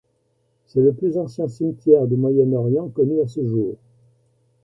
C’est le plus ancien cimetière du Moyen-Orient connu à ce jour.